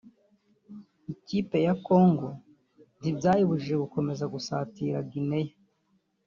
ikipe ya Congo ntibyayibujije gukomeza gusatira Guinea